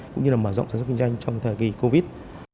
cũng như là mở rộng sản xuất kinh doanh trong thời kỳ covid